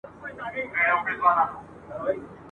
د ننګرهار خلک معارف دوسته دي.